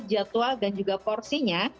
jadwal dan juga porsinya